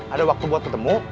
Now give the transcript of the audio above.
ada waktu buat ketemu